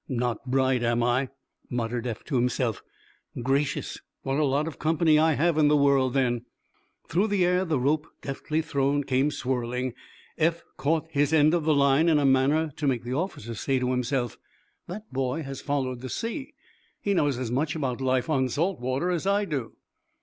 "Not bright, am I?" muttered Eph, to himself. "Gracious, what a lot of company I have in the world, then!" Through the air the rope, deftly thrown, came swirling. Eph caught his end of the line in a manner to make the officer say to himself: "That boy has followed the sea. He knows as much about life on salt water as I do."